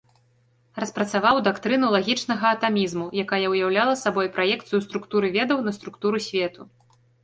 Распрацаваў дактрыну лагічнага атамізму, якая уяўляла сабой праекцыю структуры ведаў на структуру свету.